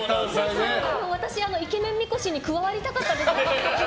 私、イケメンみこしに加わりたかったです。